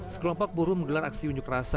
sekelompok buruh menggelar aksi unjuk rasa